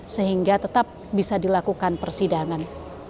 sehingga tetap bisa dilakukan persidangan